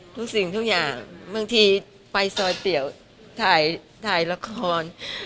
ทุกสิ่งทุกอย่างบางทีไปซอยเปรียวถ่ายละคร